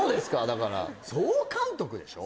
だから総監督でしょ？